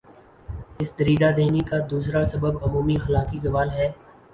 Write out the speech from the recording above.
اس دریدہ دہنی کا دوسرا سبب عمومی اخلاقی زوال ہے۔